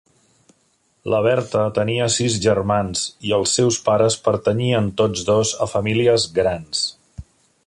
La Bertha tenia sis germans i els seus pares pertanyien tots dos a famílies grans.